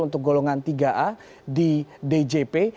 untuk golongan tiga a di djp